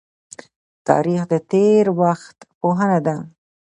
تاریخ د تیر وخت پوهنه ده